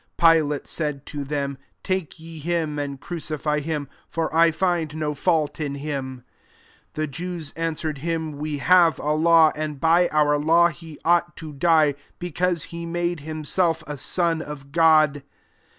Pilati said to them, '' Take ye him and crucify him : for I find nc fault in him." 7 The Jews an : swered him, " We have a law, ' and by our law he ought to die. because he made himself a sor of God."